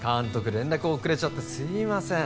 連絡遅れちゃってすいません